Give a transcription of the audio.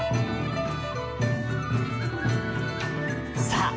さあ